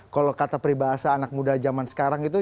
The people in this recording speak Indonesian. kalau kata peribahasa anak muda zaman sekarang itu